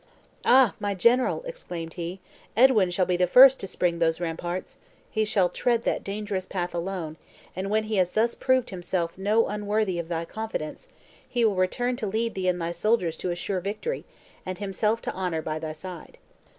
"Ah! my general," exclaimed he, "Edwin shall be the first to spring those ramparts; he shall tread that dangerous path alone; and when he has thus proved himself no unworthy of thy confidence, he will return to lead thee and thy soldiers to a sure victory, and himself to honor by thy side!"